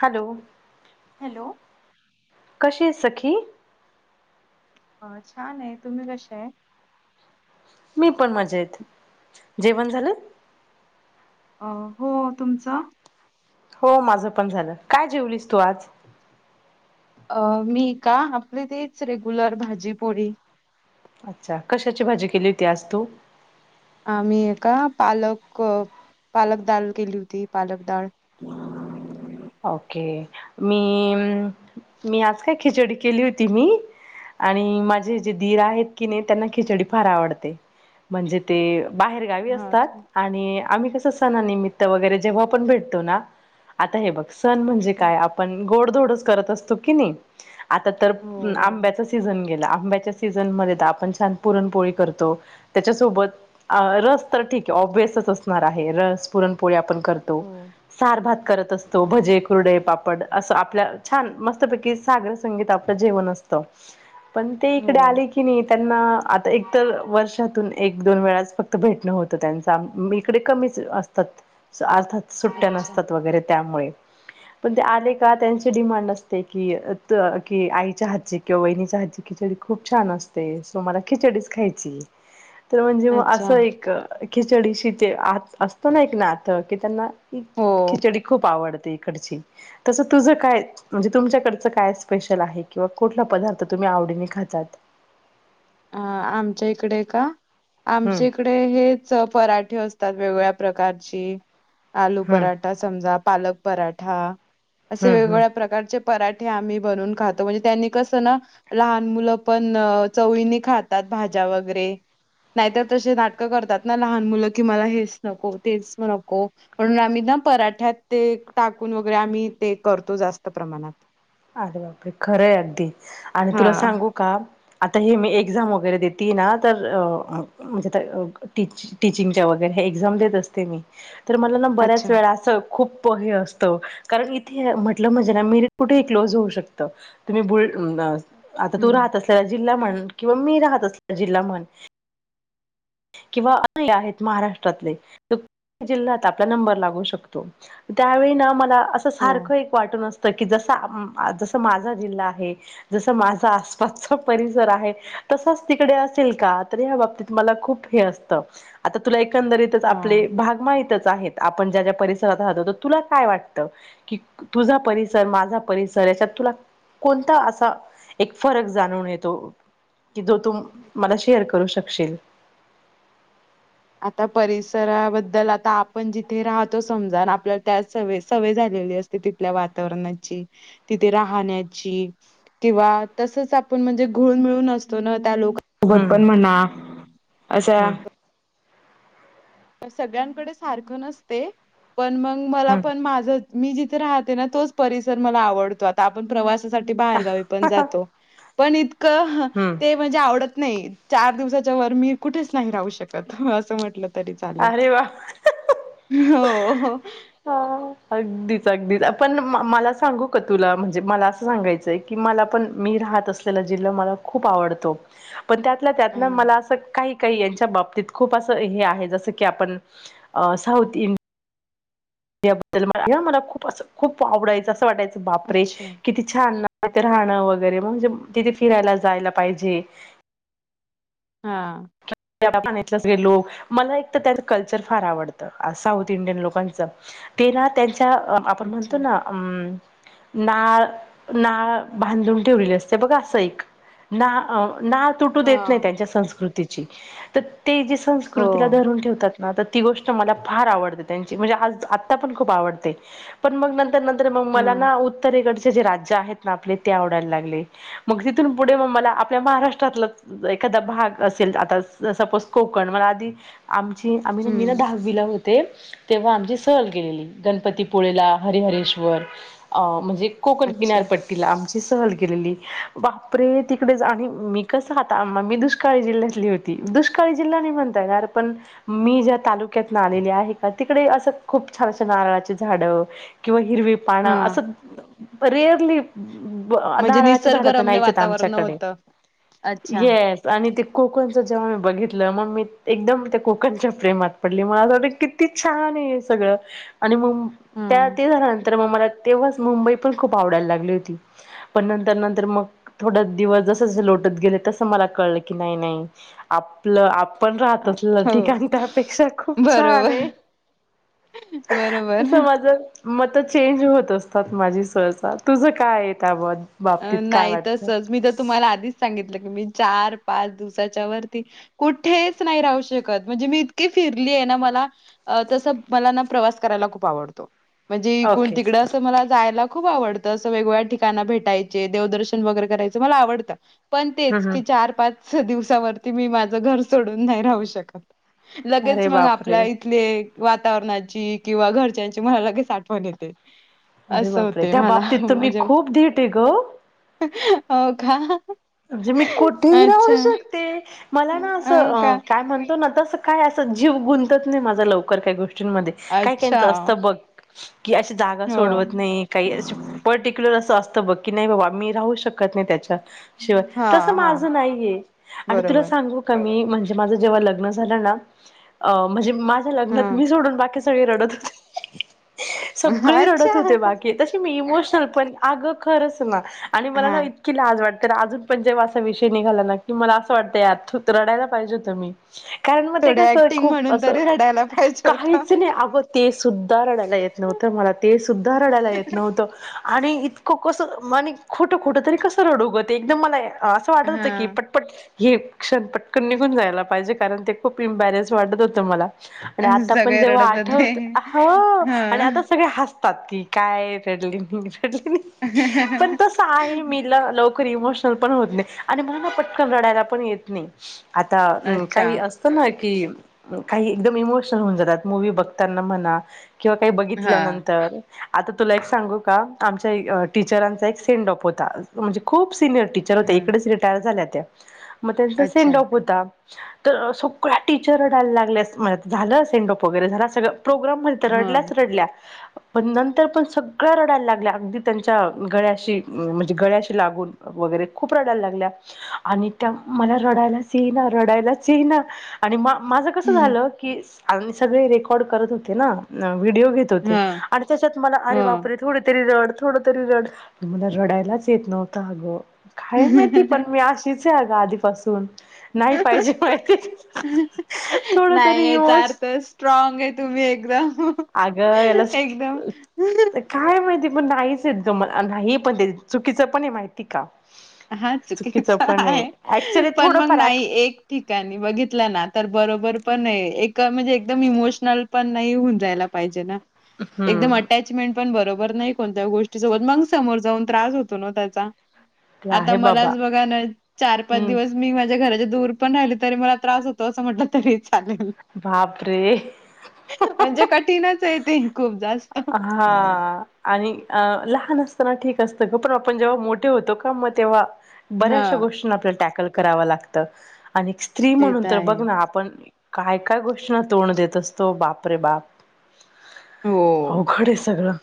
Hello! Hello! कशी य सखी अ छान आहे तुम्ही कशा आहे मी पण मजेत जेवण झालं अ हो तुमचं हो माझं पण झालं काय जेवलीस तू आज अ मी का आपली तेच रेग्युलर भाजीपोळी अच्छा कशाची भाजी केली होती आज तू आम्ही ए का पालक पालक दाल, केली होती, पालक दाळ ओके मी, मी आज काय खिचडी केली होती मी आणि माझे जे दीर आहेत की नाही, त्यांना खिचडी फार आवडते म्हणजे ते बाहेरगावी हा असतात का आणि आम्ही कस सणा निमित वैगरे जेव्हा पण भेटतो ना आता हे बग सण म्हणते ह काय आपण गोड धोड च करत असतो की णी आता तर हो बरोबर आंब्याचा सिजन गेला आंब्याचा सीजन मध्ये आपण छान पुरणपोळी करतो त्याच्यासोबत आ रस तर ठीक ए ओब्यसच असणार आहे रस पुरणपोळी आपण करतो, हो सारभात करत असो भजे कुर्डे पापड असं आपल्या छान मस्तपैकी सागर संगीत आपलं जेवण असत पण ते इकडे हो आले की नीट त्यांना आता एकतर वर्षातून एक दोन वेळाच फक्त भेटणं होतं त्यांचा अम मी इकडे कमी असतात अर्थात सुट्ट्या अच्छा नसतात वगैरे त्यामुळे पण ते आले का त्यांचे डिमांड असते की की आईच्या हातची किंवा वहिनीच्या हातची खि चडी खूप छान असते, सो मला खिचडीच खायची तर म्हणजे मग अच्छा असं एक खिचडीशी ते आत असत ना एक नात की त्यांना हो खिचडी खूप आवडते हिकडची तस तूझ काय म्हणजे तुमच्या कडच काय स्पेशल आहे किंवा कुठला पदा पदार्थ तुम्ही आवडीने खातात अ आमच्या इकडे का? हम्म आमच्या इकडे हेच पराठे अस त्यात वेगवेगळ्या प्रकारची आलू हम्म पराठा, समजा पालक पराठा असे हम्म हम्म वेगवेगळ्या प्रकारचे पराठे आम्ही बनवून खातो. म्हणजे त्यांनी कस ना लहान मुलं पण चवीनी खातात भाज्या वगैरे नाहीतर तसे नाटकं करतात ना लहान मुलं कि मला हेच नको, तेच नको म्हणून आम्ही पराठ्यात ते टाकून वगैरे आम्ही ते करतो जास्त प्रमाणात अरे बापरे खरंय अगदी आणि तुला हा सांगू का? आता हे मी एक्झाम वगैरे देतीये ना, तर अ अ मंजे त अ टीच टीचिंगच्या वगैरे एक्झाम देत असते मी तर मला ना अच्छा बऱ्याच वेळा असं खूप हे असतं, कारण इथे म्हटलं म्हणजे ना मीरीट कुठे क्लोज होऊ शकत. तुम्ही बुल आता तू हम्म राहत असेले ल्या जिल्हा म्हण, किंवा मी राहत असलेला जिल्हा म्हण किंवा असही आहेत महाराष्ट्रातले तर जिल्ह्यात आपला नंबर लागू शकतो त्यावेळी ना मला असं हो सारखं एक वाटून अस की जसा अं जस माझा जिल्हा आहे जसं माझा आसपासचा परिसर आहे तसच तिकडे असेल का? तर ह्या बाबतीत मला खूप हे असत, आता तुला एकंदरीतच हा. आपले भाग माहितच आहेत आपण ज्या ज्या परिसरात राहतो, तर तुला काय वाटतं, की तुझा परिसर माझा परिसर याच्यात तुला कोणता असा एक फरक जाणून येतो कि जो तूम मला शेअर करू शकशील आता परिसराबद्दल आता आपण जिथे राहतो समजा अन आपल्याला त्या सवे सवय झाली ली असते तिथल्या वातावरण ची, तिथे राहण्याची किंवा तसच आप म्हणजे घुळून मिळून असतो ना, त्या लोकां सोबत हम्म पण म्हणा अशा हम्म. सगळ्यांकडे सारखं नसते, पण मंग मला पण हम्म माझ मी जिथे राहते ना, तोच परिसर मला आवडतो आता आपण प्रवास साठी बाहेगावी पण जातो, पण इतकं हं हम्म ते म्हणजे आवडत नाही. चार दिवसाच्या वर मी, कुठेच नाही राहू शकत ह असं म्हटलं तरी चालेल, अरे वा हो हो! हा! अगदीच अगदीच मला सांगू का तुला म्हणजे मला असं सांगायचंय की मला पण मी मी राहत असलेले जिलों मला खूप आवडतो पण त्यातल्या त्यात अ ना मला असं काही काही याच्याबतीत खूप अस हे आहे जस की आपण अ साउथ इं याबद्दल मला या मला खूप अस खूप आवडायचं असं वाटायचं बापरे! अच्छा. किती छान ना अ ते राहणं वगैरेग म्हणजे तिथे फिरायला जायला पाहिजे हा. याला पाहण्यातले सगळे लोक मला एक तर त्याच कल्चर फार आवडतं, साऊथ इंडियन लोकांच तेना त्यांच्या आपण अच्छा. म्हणतो ना अम नाळ नाळ बांधून ठेवलेली असते बघ असं एक ना अ नाळ तुटू देत नाही हां. त्याच्या संस्कृतीची तर ते जी हो. संस्कृतीला धरून ठेवतात आता ती गोष्ट मला फार आवडते त्यांची म्हणजे हालत आज आता पण खूप आवडते पण मग नं तर मग मला हं. ना उत्तरेकड चे राज्य आहेत ना आपले ते आवडायला लागले मग तिथून पुढे म मला आपल्या महाराष्ट्रातल एक एखादा भाग असेल ज आता सपोज कोकण मला आधी आमची आम्ही ना मी ना हं. दहावीला होत ते तेव्हा आमची सहल गेलेली गणपतीपुळेला हरहरेश्वर अ म्हणजे कोकण अच्छा. किनार पट्टीला आमच्य सहल केलेली बापरे! तिकडेच आणि मी कस आता मी दुष्काळी जिल्ह्यात कली होती. दुष्काळी जिल्हा नाही म्हणता येणार पण मी ज्या तालुक्यातन आलेले आहे का तिकडे असं खूप छानशे नारळाचे झाडं किंवा हिरवी पाण हां. असं रेअरली [unintelligible] म्हणजे नारळाच्या झाड तर निसर्गरम्य नाहीयच वातावरण आमच्याकडे होतं. अच्छा. येस आणि ते कोकणचं जेव्हा मी बघितलं मग मी एकदम त्या कोकणच्या प्रेमात पडली [unintelligible] किती छान सगळ आणि मग हं. त्या-ते झार मग मला तेव्हाच मुंबई पण खूप आवडायला लागली होती पण नंतर नंतर मग थोड दिवस जस जस लोटत गेले तस मला कळलं की नाही नाही आपल-आपलं पण राहतो आ ल हो. ठिकाण त्यापेक्षा खूप छान बरोबर. आहे बरोबर असं माझं मत चेंज होत असतात माझी सहसा तुझं काय आहे त्याबत अ नाही तसच मी तर तुम्हाला आधीच सांगितलं मी चार पाच दिवसाच्या वरती कुठेच नाही राहू शकत म्हणजे मी इतकी फिरली आहे मला तस मला ना प्रवास करायला खूप आवडतो म्हणजे इकइून ओके तिकडं असं मला जायला खूप आवडतं असं वेगवेगळ्या ठिकाण भेटायं देवदर्शन वगर करायच मला आवडत पण तेच हम्म की हम्म चार पाच दिवसावरती मी माझं घर सोडून नाही राहू शकत लगेच अरे मग आपल्या बापरे इथले वातावरणाची किंवा घरच्यांची मला लगेच आठवण येते अरे असं बापरे! होतंय त्या मला बाबतीत तुम्ही म्हणजे खूप धीट आहे गं. हो का म्हणजे मी कुठेही अच्छा. राहू शकते मला ना असं हो का? अं.. काय म्हणतो ना तस काय असं जीव गुंतत नाही माझं लवकर काही गोष्टींमध्ये काय अच्छा. त्यांच असतं बघ कि अशी जागा हो. सोडवत हम्म. नाही काही अस पर्टिक्युलर असं अस त बघ की नाही बाबा मी राहू शकत नाही त्याच्या शिवाय तसं हां, हां. माझं नाहीये आणि तुला बरोबर. सांगू का मी म्हणजे माझं जेव्हा लग्न झालं ना अं.. म्हणजे माझ्या लग्नात मी हां. सोडून बाकी सगळे रडत होते सगळे रडत होते अच्छा. बाकी तशी मी इमोश शनल पण अगं खरच ना आणि मला ना हां. इतकी लाज वाट तर अजून पण जेव्हा असा विषय निघाला ना की मला असं वाटतंय यार रडयला पाहिजे होतं मी कारण मग ते थोडी कसं ॲक्टिंग खूप म्हणून असं तरी रडायला पाहिजे होतं. काहीच नाही अगं ते सुद्धा रडायला येत नव्हतं मला ते सुद्धा रडायला येत नव्हतं आणि इतकं कसं म्ह खोटं खोटं तरी कसं रडूगं ते एकदम मला असं वाटत होतं की हां. पटपट हे क्षण पटकन निघून जायला पाहिजे कारण ते खूप इम्बॅरेन्स वाटत होतं मला आणि आता पण सगळे जेव्हा रडत होते. आठवत हा.. आणि आता हां. सगळे हस [unintelligible] काय रडली म रडली पण तस आहे मला लोक इमोशनल पण होत नाही आणि मला ना पटकन रडायला पण येत नाही आता अच्छा. काही असत ना कि काही एकदम इमोशनल होऊन जातात मूवी बघताना म्हणा किंवा काही हां, बघितल्यानंतर आता तुला एक सांगू का आमच्या अ.. टीचरांचा एक सेन्ड-ऑफ होता म्हण खूप सिनियर टीचर होत्या हां. इकडेच रिटायर झाल्या त्या मग त्यांचा अच्छा. सेन्ड-ऑफ. होता तर अ.. सगळ्या टीचर रडायला लागल्या म्ह- झालं सेन्ड-ऑफ वगैरे झाला सगळं प्रोग्राम म्हणत हां. रडल्याच रडल्या पण नंतर पण सगळ्या रडायला लागल्या अगदी त्यांच्या गळ्याशी म-म्-म्हणजे गळ्याशी लागून वगैरे खूप रडायला लागल्या आणि त्यात मला रडयलायच येईना रडायलाच येईना आणि मा-माझ कस झालं की आ सगळे रेकॉर्ड करत होते ना व्हिडिओ घेत होते हां. आणि त्याच्यात मला अरे बापरे थोडी तरी रड थोड तरी रड मला रडायलाच, येत नव्हत अगं काय माहिती हो. पण मी अशीच [unintelligible] अगं आधीपासून नाही पाहिजे पाहिजे माहिती थोड तरी नाहीय चार इमोश तर स्ट्रॉग आहे तुम्ही एकदम. अगं एल च एकदम ते काय? माहिती पण नाहीच जम नाही. पण चुकीचं पण आहे माहिती का? हा चुकीचं चुकीच पण आहे. ऍक्च्युली पण मग थोडंफार नाही एक ठिकाणी बघितलं ना, तर ब बरोबर पण हे एक म्हणजे एकदम इमोशनल पण नाही, होऊन जायला पाहिजे ना, एकदम हम्म अटॅचमेंट पण बरो बरं नाही कोणत्या गोष्टी सोबत मग समोर जाऊन त्रास होतो ना, त्याचा ते आता आहे बाबा मलाच बघा ना, चार, पाच, हम्म दीवस मी माझ्या घरा दूर पण राहिली तरी मला त्रास होतो. असं म्हटलं तरी बापरे [unintelligible] म्हणजे कठीणच आहे ते खूप जास्त हा आणि अ लहान असताना ठीक असतं, ग पण आपण जेव्हा मोठे होतो म तेव्हा बऱ्याचशा हा गोष्टींना आपल्याला, टॅकल करावं लागत. आणि एक स्त्री ते म्हणून तर बघ आहे. ना, आपण काय काय गोष्टींना तोंड देत असतो. बापरे बाप हो अवघड हे सगळं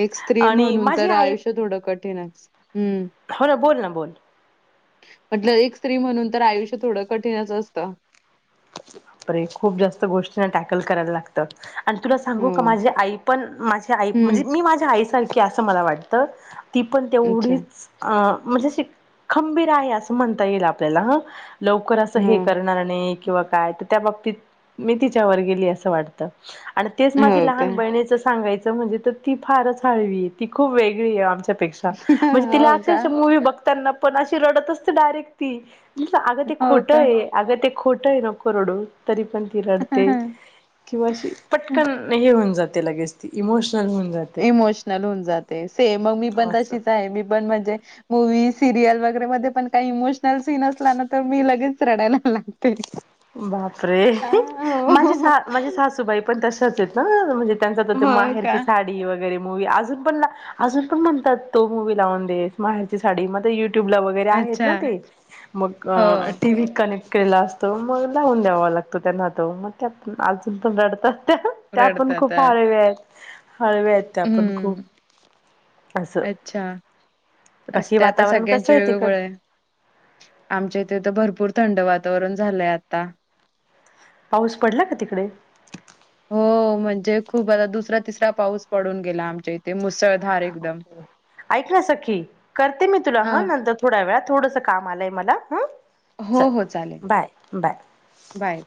एक स्त्री आणि म्हणून माझी तर आई आयुष्य थोडं कठीण आहे हम्म. हो ना बोल ना बोल म्हटलं एक स्त्री म्हणून तर आयुष्य थोडं कठीणच असतं. खरंय खूप जास्त गोष्टींना टॅकल करायला लागत. आणि तुला सांगू का हो माझी आई, पण माझी आई म्हणजे, हम्म मी माझ्या आईसारखी असं मला वाटतं. ती पण अच्छा तेवढीच अ म्हणजे अशी खंबीर आहे. असं म्हणता येईल आपल्याला. लवकर असं हो हे. करणार नाही. किंवा काय त त्या बाबतीत मी तिच्यावर गेली आहे असं वाटत. आणि तेच माझी हो का लहान बहिणीच सांगायचं, म्हणजे तर ती फारच हळवी हे ती खूप वेगळी हे आम पेक्षाम्हणजे तिला हो का अक्षरश मुव्ही बघताना पण अशी रडत असते डायरेक्ट ती अगं ते हो खोटं का हे अगं ते खोटं हे नको रोडो तरी पण ती रडते किंवा अशी पटकन हे होऊन जाते लगेच ती इमोश इमोशनल हून जाते सेम म मी पण. असं तशीच आहे मी पण म्हणजे मूवी, सिरियल वगैरे मध्ये पण काही इमोशनल सीन असला ना, तर मी लगेच रडायला लागते. बापरे, आ, माझी हो सा माझी सासूबाई पण तशाच आहेत हं म्हणजे त्यांचं त तो हो का माहेरची साडी वगैरे मूवी, अजून पण अजून पण म्हणतात. मूवी लावून दे माहेरची साडी मग यु यूट्यूब ला वगैरे आहेत ना, अच्छा. ते मग अ हो, टीव्ही कनेक्ट केला अस मग लावून द्यावा लागतो. त्यांना तो मग त्या अजून पण रडतात. त्या पण रडतात खूप अ, हळव्या हेत हळव्या हेत त्या पण खूप हं. असं अच्छा, बाकी असते आता वातावरण सगळ्यांची कसं आहे तिकड वेगवेगळ हे आमच्या इथे तर भरपूर थंड वात तोरन झालंय आता. पाऊस पडला का तिकडे? हो म्हणजे खूप आता दुसरा तिसरा पाऊस पडून गेला आमच्या इथे मुसळ ऐक ना सखी करते मी तुला ह हां. नंतर थोड्या वेळात. थोडस काम आलंय मला ह हो, चल हो. चालेल. Bye bye. बाय.